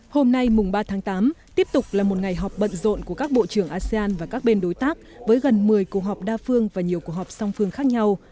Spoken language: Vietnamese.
hôm nay mùng ba tháng tám tiếp tục là một ngày họp bận rộn của các bộ trưởng asean và các bên đối tác với gần một mươi cuộc họp đa phương và nhiều cuộc họp song phương khác nhau